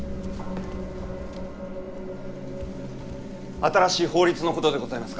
新しい法律のことでございますが。